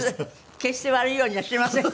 決して悪いようにはしませんから。